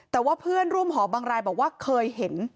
แต่ว่าเพื่อนร่วมหอบางรายบอกว่าเคยเห็น